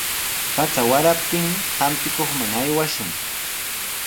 Pacha waraptinmi hampikuqman aywashun.